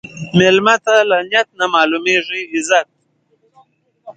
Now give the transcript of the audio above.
مېلمه ته له نیت نه معلومېږي عزت.